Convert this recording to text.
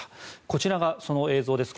こちらがその映像です。